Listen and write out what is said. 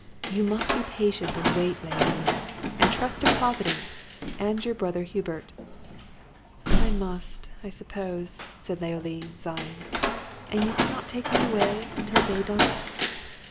You must be patient and wait, Leoline, and trust to Providence and your brother Hubert!" "I must, I suppose!" said Leoline, sighing, "and you cannot take me away until day dawn."